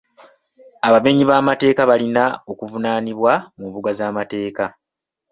Abamenyi b'amateeka balina okuvunaanibwa mu mbuga z'amateeka.